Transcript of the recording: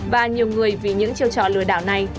và nhiều người vì những chiêu trò lừa đảo này